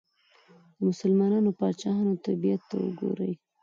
د مسلمانو پاچاهانو طبیعت ته وګورئ.